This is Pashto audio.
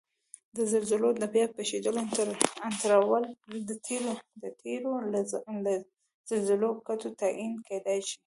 د زلزلو د بیا پېښیدو انټروال د تېرو زلزلو کتو ته تعین کېدای شي